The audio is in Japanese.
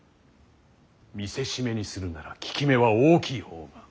見せしめにするなら効き目は大きい方が。